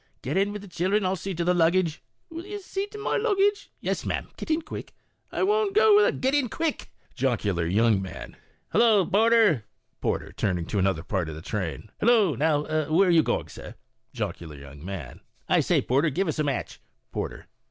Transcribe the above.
"Get in with the children ; I'll see to the luggage." Fat Lady. " Will you see to my luggage?" Porter. "Yes, ma'am; get in quick." Fat Lady. "I won't go without " Porter (helping her in). " G et in quick." Jocular Young Man. "Hillol porter!" Porter (turning to another part of the train). u Hillo I Now, then, are you going, sir ?" Jocular Young Man. "I say, porter, give us a match." Porter.